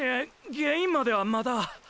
原因まではまだ。